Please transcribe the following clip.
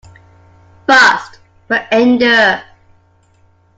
Fast, but endure.